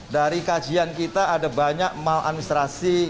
dari kajian kita ada banyak mal administrasi